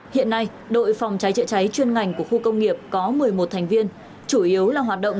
hiện nay đội phòng trái trịa trái chuyên ngành của khu công nghiệp có một mươi một thành viên chủ yếu là hoạt động